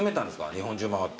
日本中回って。